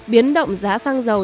biến động giá xăng dầu